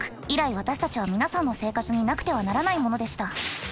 以来私たちは皆さんの生活になくてはならないものでした。